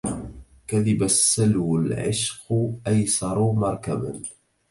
كذب السلو العشق أيسر مركبا